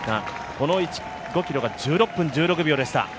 この５ｋｍが１６分１６秒でした。